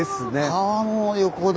川の横だ。